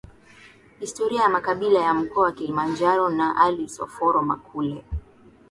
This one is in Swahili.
Historia ya makabila ya Mkoa wa Kilimanjaro na Alice Oforo Makule